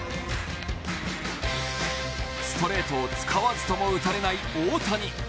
ストレートを使わずとも打たれない大谷。